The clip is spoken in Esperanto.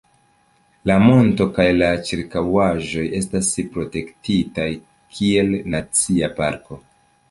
La monto kaj la ĉirkaŭaĵoj estas protektitaj kiel Nacia Parko.